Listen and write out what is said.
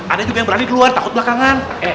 ada juga yang berani keluar takut belakangan